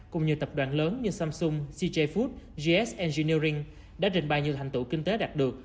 cùng nhiều tập đoàn lớn như samsung cj food gs enginoing đã trình bày nhiều thành tựu kinh tế đạt được